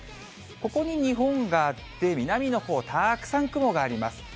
ここに日本があって、南のほう、たくさん雲があります。